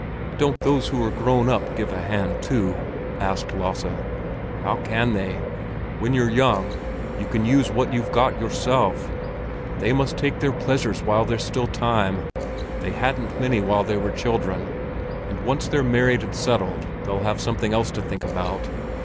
"Don't those who are grown up give a hand too?" asked Lasse. "How can they? When you're young, you can use what you've got yourself. They must take their pleasures while there's time; they hadn't many while they were children, and once they're married and settled they'll have something else to think about.